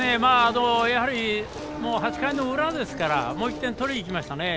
やはり８回の裏ですからもう１点取りにいきましたね。